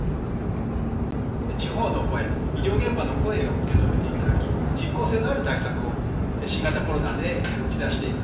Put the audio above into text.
地方の声、医療現場の声を受け止めていただき、実効性のある対策を、新型コロナで打ち出していく。